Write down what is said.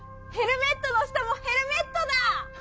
ヘルメットの下もヘルメットだ！